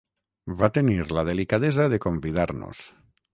Va tenir la delicadesa de convidar-nos.